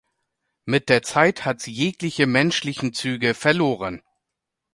Mit der Zeit hat sie jegliche menschlichen Züge verloren.